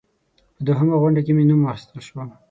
په دوهمه غونډه کې مې نوم واخیستل شو.